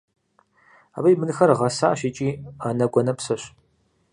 Абы и бынхэр гъэсащ икӏи анэгу-анэпсэщ.